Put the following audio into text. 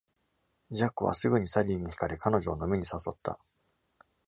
ジャックはすぐにサリーに惹かれ、彼女を飲みに誘った。